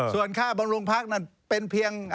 ส่วนค่าบนโรงพักนั่นเป็นเพียง